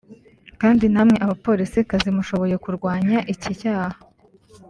kandi namwe (Abapolisikazi) mushoboye kurwanya iki cyaha"